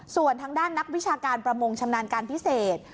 ส่วนทางด้านนักวิชาการประมงชำนาญการพิเศษ